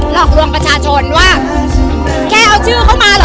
หลอกลวงประชาชนว่าแค่เอาชื่อเข้ามาเหรอ